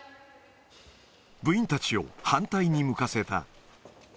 部員たちを反対に向かせた。